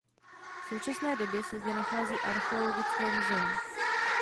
V současné době se zde nachází archeologické muzeum.